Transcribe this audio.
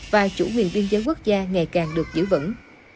và chủ quyền biên giới quốc gia ngày càng được giữ vững